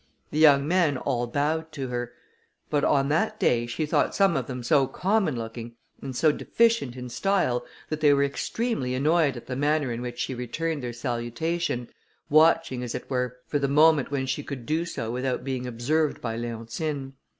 The young men all bowed to her; but on that day she thought some of them so common looking, and so deficient in style, that they were extremely annoyed at the manner in which she returned their salutation, watching, as it were, for the moment when she could do so without being observed by Leontine.